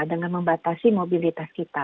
dengan membatasi mobilitas kita